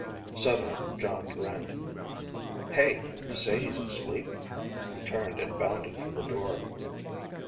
Suddenly Jon grinned. "Hey, you say he's asleep?" He turned and bounded for the door.